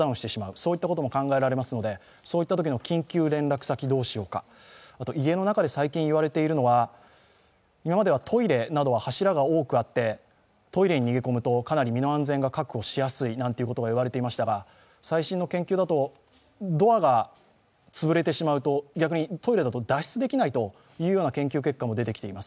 そういったことも考えられますのでそういったときの緊急連絡先どうしようか家の中で最近言われているのは、今まではトイレなどは柱が多くあって、トイレに逃げ込むとかなり身の安全が確保しやすいということが言われていましたが最新の研究だと、ドアが潰れてしまうと逆にトイレだと脱出できないという研究結果も出てきています。